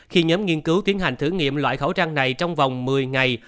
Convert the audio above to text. khi nhóm nghiên cứu tiến hành thử nghiệm loại khẩu trang này trong vòng một mươi ngày